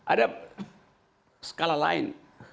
ada skala lain